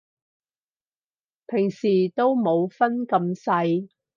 平時都冇分咁細